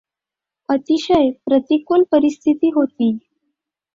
अतिशय प्रतिकूल परिस्थिती होती.